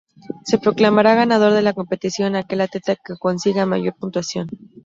Se proclamará ganador de la competición a aquel atleta que consiga mayor puntuación.